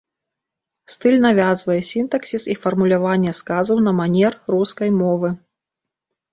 Стыль навязвае сінтаксіс і фармуляванне сказаў на манер рускай мовы.